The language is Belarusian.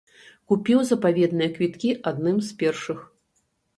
Купіў запаветныя квіткі адным з першых!